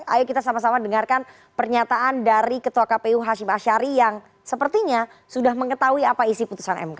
ayo kita sama sama dengarkan pernyataan dari ketua kpu hashim ashari yang sepertinya sudah mengetahui apa isi putusan mk